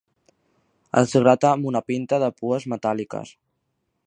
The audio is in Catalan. Es grata amb una pinta de pues metàl·liques.